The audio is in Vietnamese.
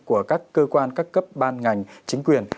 của các cơ quan các cấp ban ngành chính quyền